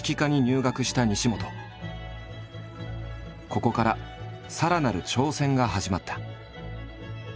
ここからさらなる挑戦が始まった。